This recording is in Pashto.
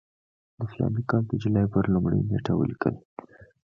د فلاني کال د جولای پر لومړۍ نېټه ولیکل.